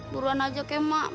buruan ajaknya mak